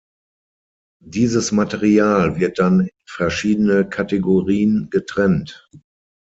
Dieses Material wird dann in verschiedene Kategorien getrennt.